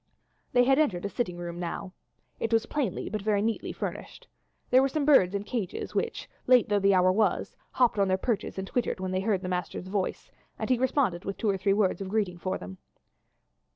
They had entered a sitting room now. It was plainly but very neatly furnished. There were some birds in cages, which, late though the hour was, hopped on their perches and twittered when they heard the master's voice, and he responded with two or three words of greeting to them.